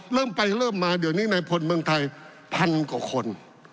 เริ่มไปเริ่มมาเดี๋ยวนี้ในพลเมืองไทยพันกว่าคน